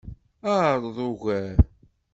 Ɛṛeḍ ugar.